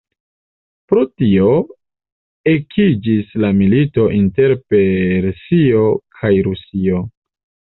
Pro tio ekiĝis la milito inter Persio kaj Rusio.